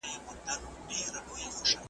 په عام محضر کي ,